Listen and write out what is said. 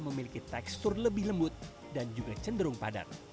memiliki tekstur lebih lembut dan juga cenderung padat